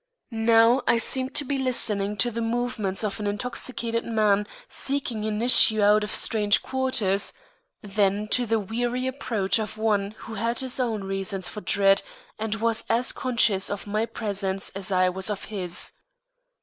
Now I seemed to be listening to the movements of an intoxicated man seeking an issue out of strange quarters, then to the wary approach of one who had his own reasons for dread and was as conscious of my presence as I was of his.